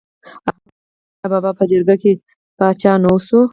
آیا احمد شاه بابا په جرګه پاچا نه شو؟